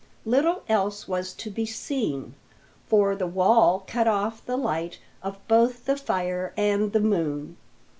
Little else was to be seen, for the wall cut off the light of both the fire and the moon.